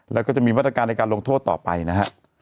แล้วก็จะมีมาตรการในการลงโทษต่อไปนะฮะ